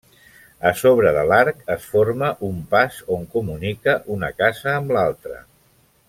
A sobre de l'arc es forma un pas on comunica una casa amb l'altra.